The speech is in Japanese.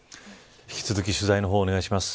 引き続き取材をお願いします。